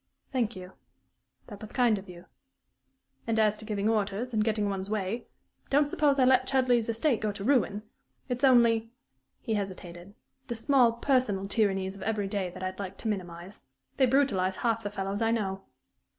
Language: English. "Thank you. That was kind of you. And as to giving orders, and getting one's way, don't suppose I let Chudleigh's estate go to ruin! It's only" he hesitated "the small personal tyrannies of every day that I'd like to minimize. They brutalize half the fellows I know."